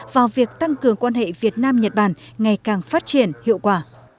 vào việc tăng cường quan hệ việt nam nhật bản ngày càng phát triển hiệu quả